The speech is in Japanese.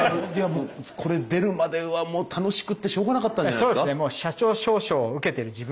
もうこれ出るまでは楽しくてしょうがなかったんじゃないですか？